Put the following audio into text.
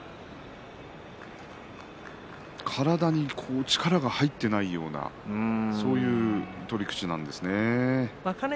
体に力が入っていないような取り口なんですね。